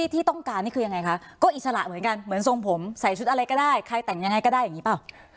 ที่ต้องการนี่คือยังไงคะก็อิสระเหมือนกันเหมือนทรงผมใส่ชุดอะไรก็ได้ใครแต่งยังไงก็ได้อย่างนี้เปล่า